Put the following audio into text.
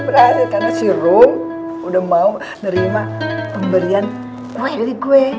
berhasil karena si romi udah mau nerima pemberian kue dari gue